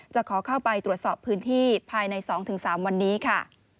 จะขอเข้าไปตรวจสอบพื้นที่ภายใน๒๓วันนี้ค่ะ